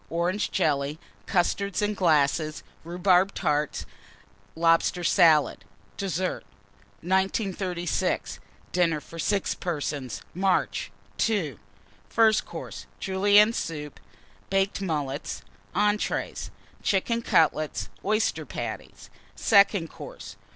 Orange Jelly. Custards, in glasses. Rhubarb Tart. Lobster Salad. DESSERT. 1936. DINNER FOR 6 PERSONS (March). II. FIRST COURSE. Julienne Soup. Baked Mullets. ENTREES. Chicken Cutlets. Oyster Patties. SECOND COURSE.